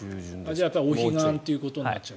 お彼岸ということになっちゃう。